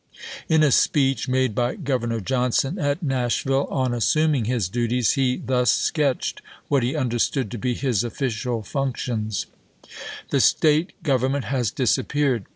In a speech made by Governor Johnson at Nashville, on assuming his duties, he thus sketched what he understood to be his official functions : The State government has disappeared.